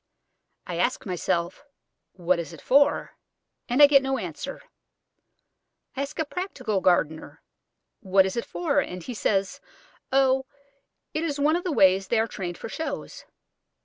I ask myself, What is it for? and I get no answer. I ask a practical gardener what it is for, and he says, "Oh, it is one of the ways they are trained for shows."